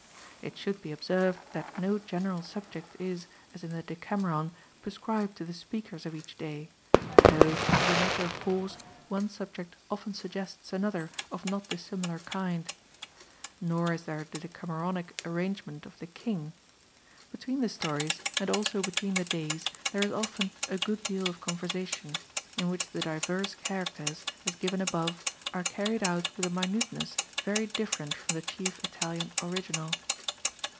It should be observed that no general subject is, as in the Decameron, prescribed to the speakers of each day, though, as a matter of course, one subject often suggests another of not dissimilar kind. Nor is there the Decameronic arrangement of the "king." Between the stories, and also between the days, there is often a good deal of conversation, in which the divers characters, as given above, are carried out with a minuteness very different from the chief Italian original.